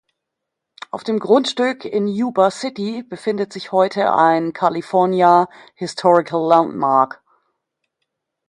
Auf dem Grundstück in Yuba City befindet sich heute ein California Historical Landmark.